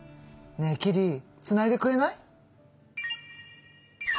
ねえキリつないでくれない？